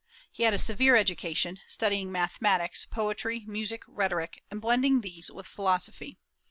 He had a severe education, studying mathematics, poetry, music, rhetoric, and blending these with philosophy.